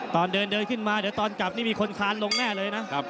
ตอนเดินขึ้นมาเดี๋ยวตอนกลับนี่มีคนคานลงแน่เลยนะ